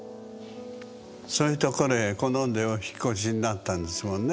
そういうところへ好んでお引っ越しになったんですもんね？